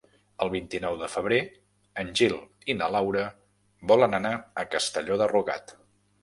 El vint-i-nou de febrer en Gil i na Laura volen anar a Castelló de Rugat.